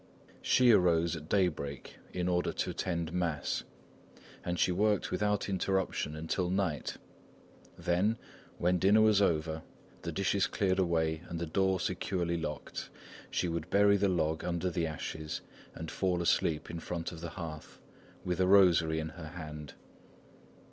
She arose at daybreak, in order to attend mass, and she worked without interruption until night; then, when dinner was over, the dishes cleared away and the door securely locked, she would bury the log under the ashes and fall asleep in front of the hearth with a rosary in her hand.